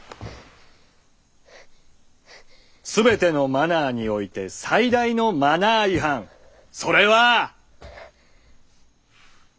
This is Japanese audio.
全てのマナーにおいて最大のマナー違反それは。